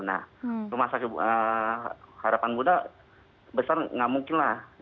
nah rumah sakit harapan buddha besar nggak mungkin lah